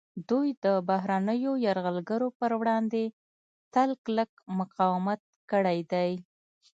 دوی د بهرنیو یرغلګرو پر وړاندې تل کلک مقاومت کړی دی